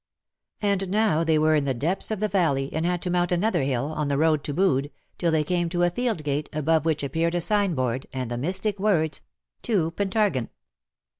And now they were in the depths of the valley, and had to mount another hill, on the road to Bude, till they came to a field gate, above which appeared a sign board, and the mystic words, " To Pentargon."